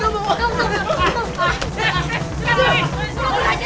aduh tawar tawar